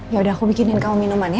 ya udah aku bikinin kamu minuman ya